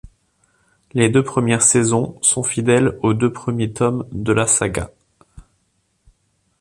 Les deux premières saisons sont fidèles aux deux premiers tomes de la saga.